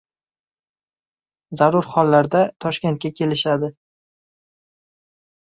zarur hollarda Toshkentga kelishadi.